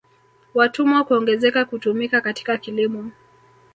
Watumwa kuongezeka kutumika katika kilimo